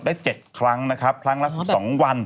ได้เจ็ดครั้งนะครับพวงและ๑๒วัน